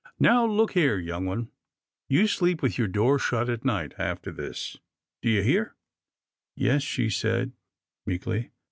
" Now look here, young one — you sleep with your door shut at night after this. Do you hear?" " Yes," she said, meekly.